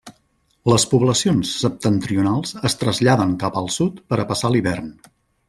Les poblacions septentrionals es traslladen cap al sud per a passar l'hivern.